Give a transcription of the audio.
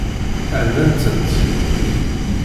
Rnant-tent.